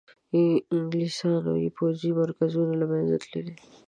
انګلیسیانو پوځي مرکزونه له منځه تللي.